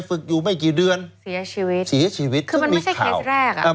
ฝึกอยู่ไม่กี่เดือนเสียชีวิตเสียชีวิตคือมันไม่ใช่เคสแรกอ่ะ